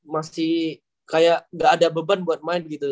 masih kayak nggak ada beban buat main gitu